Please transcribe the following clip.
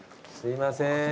すいません